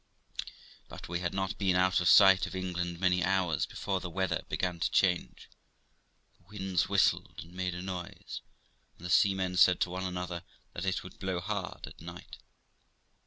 But we had not been out of sight of England many hours before the weather began to change; the winds whistled and made a noise, and the seamen said to one another that it would blow hard at night.